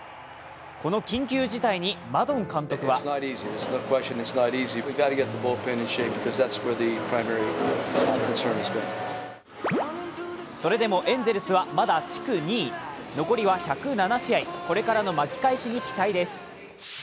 この緊急事態にマドン監督はそれでもエンゼルスはまだ地区２位。残りは１０７試合、これからの巻き返しに期待です。